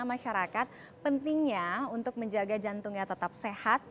masyarakat pentingnya untuk menjaga jantungnya tetap sehat